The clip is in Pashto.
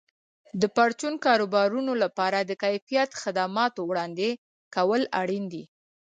د پرچون کاروبارونو لپاره د کیفیت خدماتو وړاندې کول اړین دي.